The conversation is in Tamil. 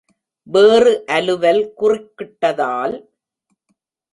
வேறு அலுவல் குறுக்கிட்டதால்.